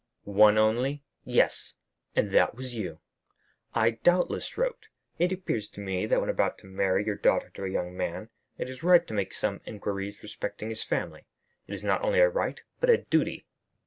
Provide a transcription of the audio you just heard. "One only?" "Yes; and that was you!" "I, doubtless, wrote. It appears to me that when about to marry your daughter to a young man, it is right to make some inquiries respecting his family; it is not only a right, but a duty."